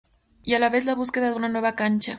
Y a la vez la búsqueda de una nueva cancha.